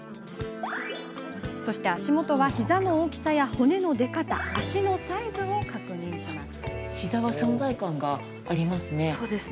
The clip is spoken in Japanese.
足元はヒザの大きさや骨の出方足のサイズを確認します。